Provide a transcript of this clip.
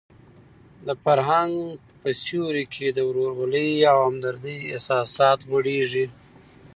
د فرهنګ په سیوري کې د ورورولۍ او همدردۍ احساسات غوړېږي.